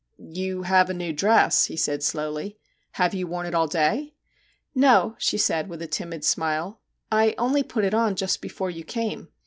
' You have a new dress,' he said slowly ;* have you worn it all day ?'* No/ she said, with a timid smile. * I only put it on just before you came.